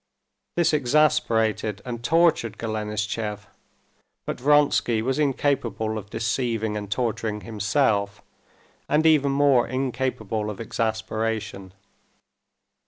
This exasperated and tortured Golenishtchev, but Vronsky was incapable of deceiving and torturing himself, and even more incapable of exasperation.